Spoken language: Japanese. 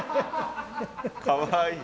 かわいい。